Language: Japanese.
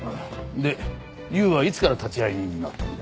でユーはいつから立会人になったんだ？